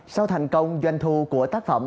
sau thành công doanh thu của tác phẩm